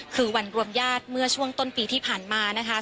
คือวันรวมญาติเมื่อช่วงต้นปีที่ผ่านมานะคะ